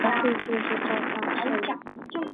兴趣是照相摄影。